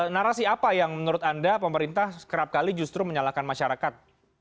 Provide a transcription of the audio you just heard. narasi apa yang menurut anda pemerintah kerap kali justru menyalahkan masyarakat